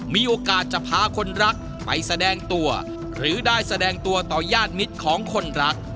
มีโอกาสจะพาคนรักไปแสดงตัวหรือได้แสดงตัวต่อญาติมิตรของคนรัก